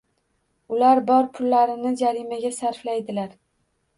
Ular bor pullarini jarimaga sarflaydilar.